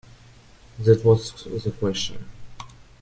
That was the question.